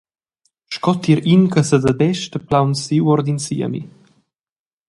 Sco tier in che sededesta plaunsiu ord in siemi.